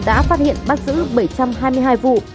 đã phát hiện bắt giữ bảy trăm hai mươi hai vụ